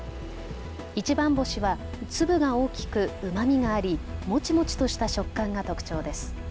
一番星は粒が大きくうまみがありもちもちとした食感が特徴です。